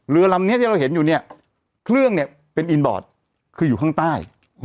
เรือลำนี้ที่เราเห็นอยู่เนี่ยเครื่องเนี่ยเป็นอินบอร์ดคืออยู่ข้างใต้